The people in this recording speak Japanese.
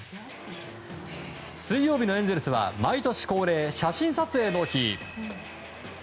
水曜日のエンゼルスは毎年恒例、写真撮影の日。